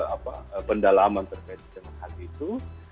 apa pendalaman terkait dengan hal itu